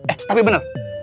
eh tapi bener